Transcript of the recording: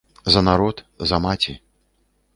За народ, за маці.